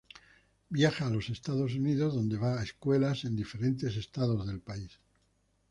Viaja a los Estados Unidos donde va a escuelas en diferentes estados del país.